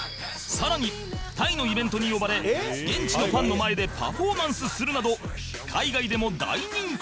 更にタイのイベントに呼ばれ現地のファンの前でパフォーマンスするなど海外でも大人気